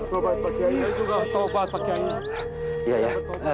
kami bertobat pak kiai